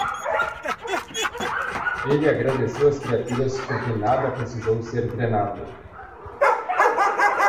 Ele agradeceu às criaturas, porque nada precisou ser drenado.